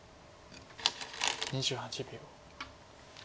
２８秒。